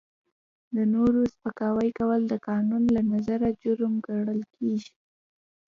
د نورو سپکاوی کول د قانون له نظره جرم ګڼل کیږي.